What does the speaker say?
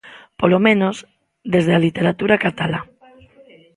Polo menos desde a literatura catalá.